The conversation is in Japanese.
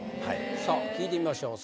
さあ聞いてみましょう。